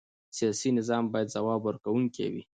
سیاسي نظام باید ځواب ورکوونکی وي